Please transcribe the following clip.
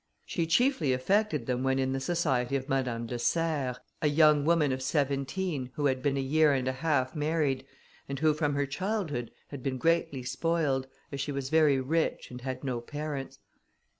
She chiefly affected them when in the society of Madame de Serres, a young woman of seventeen, who had been a year and a half married, and who from her childhood, had been greatly spoiled, as she was very rich and had no parents.